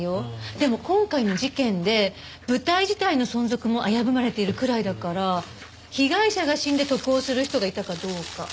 でも今回の事件で舞台自体の存続も危ぶまれているくらいだから被害者が死んで得をする人がいたかどうか。